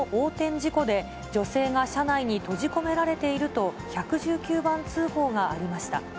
事故で女性が車内に閉じ込められていると１１９番通報がありました。